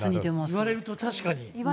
言われると確かに。